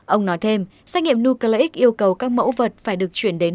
ông nói thêm xét nghiệm nucleic yêu cầu các mẫu vật phải được chuyển đến